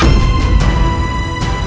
akan diturunkan oleh stayini